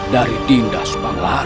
dari dinda subanglar